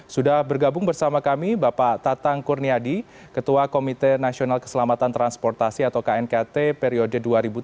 sudah bergabung bersama kami bapak tatang kurniadi ketua komite nasional keselamatan transportasi atau knkt periode dua ribu tujuh belas dua ribu